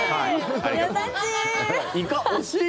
優しい！